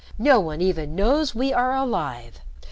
No one even knows we are alive.